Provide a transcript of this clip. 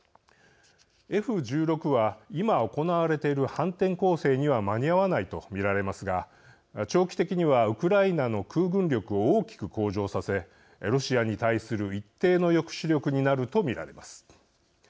Ｆ１６は今、行われている反転攻勢には間に合わないと見られますが長期的にはウクライナの空軍力を大きく向上させロシアに対する一定の抑止力になると見られます。